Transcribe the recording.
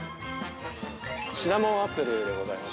◆シナモンアップルでございます。